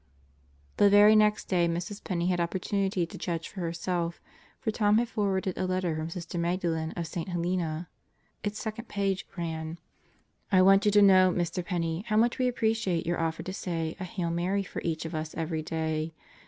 The very next day Mrs. Penney had opportunity to judge for herself for Tom had forwarded a letter from Sister Magdalen of St. Helena. Its second page ran: I want you to know, Mr. Penney, how much we appreciate your offer to say a "Hail Mary" for each of us every day.